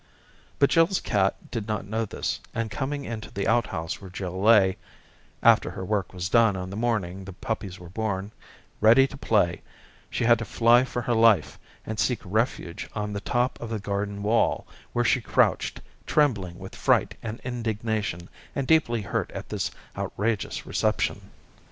But Jill's cat did not know this, and coming into the outhouse where Jill lay, after her work was done on the morning the puppies were born, ready to play, she had to fly for her life, and seek refuge on the top of the garden wall, where she crouched, trembling with fright and indignation, and deeply hurt at this outrageous reception.